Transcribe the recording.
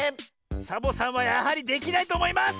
サボさんはやはりできないとおもいます！